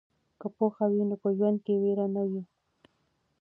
که پوهه وي نو په ژوند کې ویر نه وي.